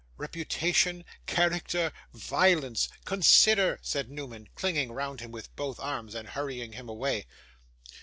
'Reputation character violence consider,' said Newman, clinging round him with both arms, and hurrying him away.